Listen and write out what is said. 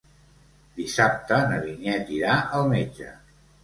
Dissabte na Vinyet irà al metge.